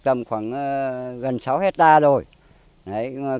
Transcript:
tầm khoảng gần sáu hectare rồi